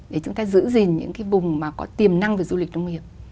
để chúng ta giữ gìn những cái vùng mà có tiềm năng về du lịch nông nghiệp